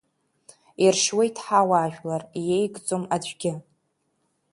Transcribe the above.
Иршьуеит ҳауаажәлар, иеигӡом аӡәгьы…